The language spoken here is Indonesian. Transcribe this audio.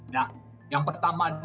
nah yang pertama di